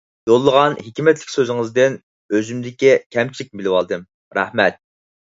يوللىغان ھېكمەتلىك سۆزىڭىزدىن ئۆزۈمدىكى كەمچىلىكنى بىلىۋالدىم، رەھمەت.